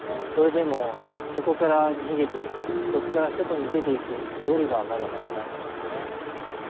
それでもそこから逃げていくそこから外に出ていくよりはまだマシなんでしょうね。